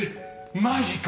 マジか！